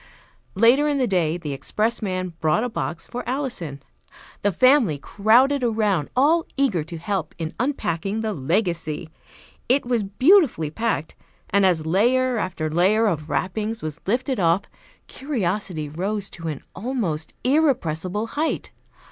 Later in the day the expressman brought a box for Alison. The family crowded around, all eager to help in unpacking the legacy. It was beautifully packed, and as layer after layer of wrappings was lifted off, curiosity rose to an almost irrepressible height.